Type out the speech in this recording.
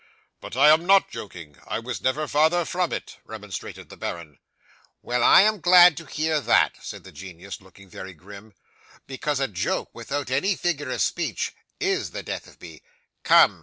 '"But I am not joking; I was never farther from it," remonstrated the baron. '"Well, I am glad to hear that," said the genius, looking very grim, "because a joke, without any figure of speech, IS the death of me. Come!